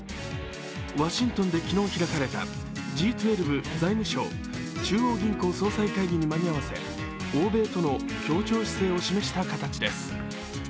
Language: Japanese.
ワシントンで昨日開かれたＧ２０財務相・中央銀行総裁会議に間に合わせ欧米との協調姿勢を示した形です。